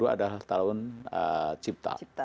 adalah tahun cipta